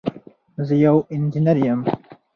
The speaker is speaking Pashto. زه یو انجنير یم.